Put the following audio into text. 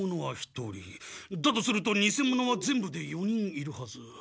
だとするとにせ者は全部で４人いるはず。